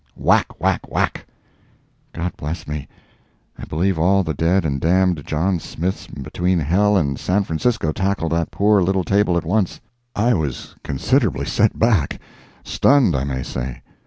"Whack! whack! whack!" God bless me. I believe all the dead and damned John Smiths between hell and San Francisco tackled that poor little table at once! I was considerably set back—stunned, I may say.